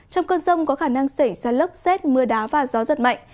trong cơn rông có khả năng xảy ra lốc xét mưa đá và gió giật mạnh